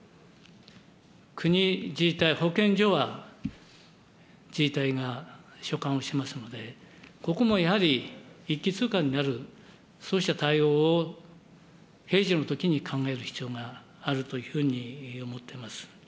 国、自治体、保健所は自治体が所管をしておりますので、ここもやはり一気通過になるそうした対応を平時のときに考える必要があるというふうに思ってます。